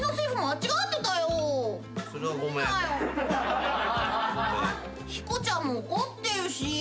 あっヒコちゃんも怒ってるし。